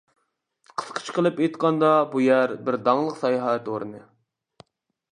قىسقىچە قىلىپ ئېيتقاندا بۇ يەر بىر داڭلىق ساياھەت ئورنى.